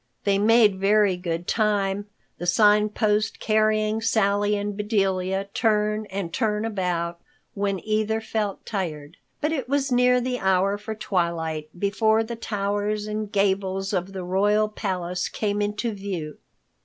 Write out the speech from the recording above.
They made very good time, the Sign Post carrying Sally and Bedelia turn and turn about when either felt tired. But it was near the hour for twilight before the towers and gables of the royal palace came into view.